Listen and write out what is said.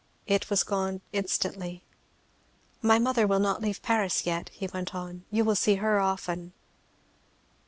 It was gone instantly. "My mother will not leave Paris yet," he went on, "you will see her often."